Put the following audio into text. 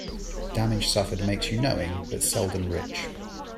Damage suffered makes you knowing, but seldom rich.